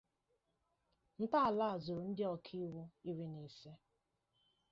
Ntọala a zụrụ ndị ọka iwu iri na ise.